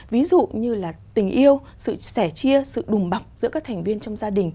ví dụ như là tình yêu sự sẻ chia sự đùm bọc giữa các thành viên trong gia đình